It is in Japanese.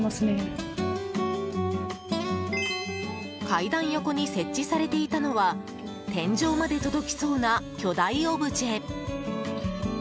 階段横に設置されていたのは天井まで届きそうな巨大オブジェ。